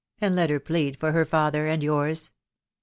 sod let her plead for her father and yours